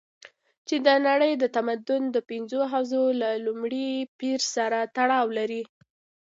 چې د نړۍ د تمدن د پنځو حوزو له لومړي پېر سره تړاو لري.